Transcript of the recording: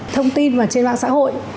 thông tin mà trên mạng xã hội